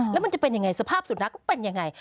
แล้วมันจะเป็นยังไงสภาพสุนัขก็เป็นยังไง